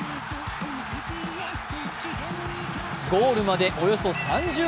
ゴールまでおよそ３０ｍ。